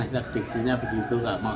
kita kejadiannya begitu